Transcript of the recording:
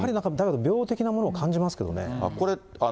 やっぱり病的なものを感じますけどね。